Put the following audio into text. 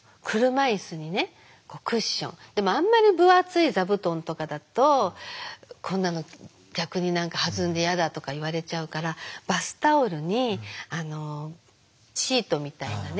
でもあんまり分厚い座布団とかだと「こんなの逆に何か弾んで嫌だ」とか言われちゃうからバスタオルにシートみたいなね